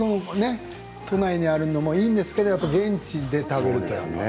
都内にあるのもいいんですけど、やっぱり現地で食べるとね。